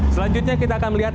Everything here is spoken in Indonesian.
selanjutnya kita akan melihat